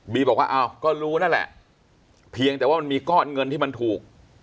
บอกว่าอ้าวก็รู้นั่นแหละเพียงแต่ว่ามันมีก้อนเงินที่มันถูก